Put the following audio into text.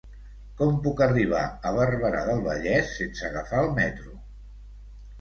Com puc arribar a Barberà del Vallès sense agafar el metro?